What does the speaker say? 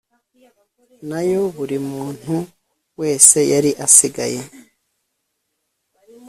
na yo buri muntu wese yari asigaye